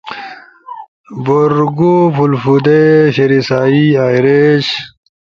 بورگو فُولفودے، فیریسیائی، آئریش